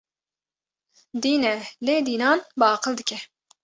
Dîn e lê dînan baqil dike